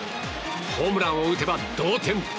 ホームランを打てば同点。